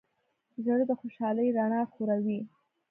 زړه د خوشحالۍ رڼا خوروي.